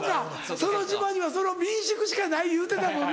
その島にはその民宿しかない言うてたもんな。